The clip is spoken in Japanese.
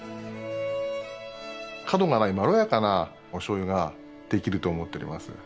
角がないまろやかなおしょうゆができると思っております。